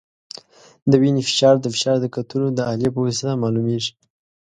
د وینې فشار د فشار د کتلو د الې په وسیله معلومېږي.